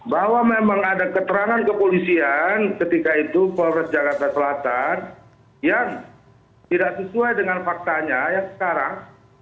bahwa memang ada keterangan kepolisian ketika itu polres jakarta selatan yang tidak sesuai dengan faktanya yang sekarang